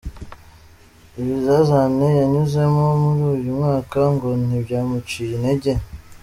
Ibizazane yanyuzemo muri uyu mwaka ngo ntibyamuciye intege.